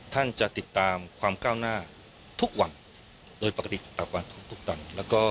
ท่านจะติดตามความก้าวหน้าทุกวันโดยปกติต่าง